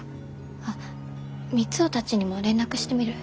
あっ三生たちにも連絡してみる。